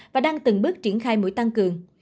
và đang từng bước triển khai mũi tăng cường